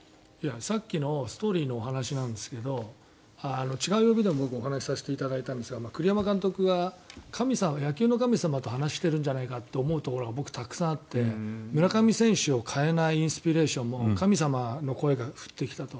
さっきのストーリーのお話しなんですが違う番組でも、僕お話しさせていただいたんですが栗山監督が野球の神様と話しているんじゃないかと思うところが僕、たくさんあって村上選手を代えないインスピレーションも神様の声が降ってきたと。